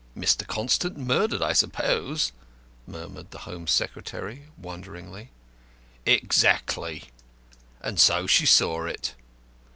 "Mr. Constant murdered, I suppose," murmured the Home Secretary, wonderingly. "Exactly. And so she saw it.